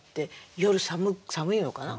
夜寒いのかな？